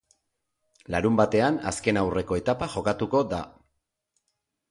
Larunbatean azken aurreko etapa jokatuko da.